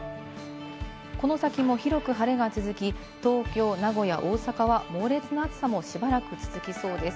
この先も広く晴れが続き、東京、名古屋、大阪は猛烈な暑さもしばらく続きそうです。